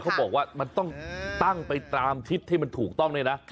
เขาบอกว่ามันต้องตั้งไปตามทิศที่มันถูกต้องด้วยนะ